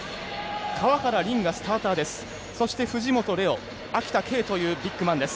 川原凜がスターターです。